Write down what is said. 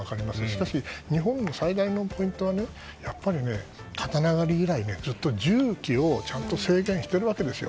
しかし、日本最大のポイントはやっぱり刀狩り以外ずっとちゃんと銃器を制限しているんですよ。